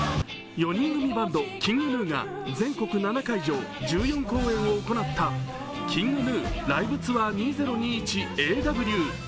４人組バンドＫｉｎｇＧｎｕが全国７会場１４公演を行ったＫｉｎｇＧｎｕＬｉｖｅＴｏｕｒ２０２１ＡＷ。